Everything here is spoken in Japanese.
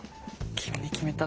君に決めた。